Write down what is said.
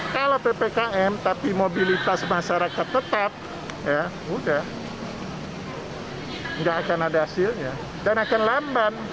kalau ppkm tapi mobilitas masyarakat tetap ya udah nggak akan ada hasilnya dan akan lamban